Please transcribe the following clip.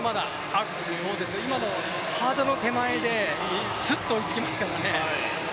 今のハードルの手前でスッと追いつきますからね。